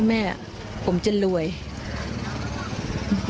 เนื่องจากนี้ไปก็คงจะต้องเข้มแข็งเป็นเสาหลักให้กับทุกคนในครอบครัว